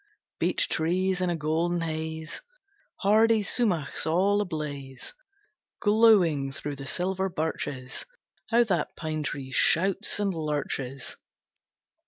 Beech trees in a golden haze; Hardy sumachs all ablaze, Glowing through the silver birches. How that pine tree shouts and lurches!